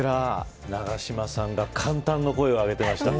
永島さんが感嘆の声を上げていました。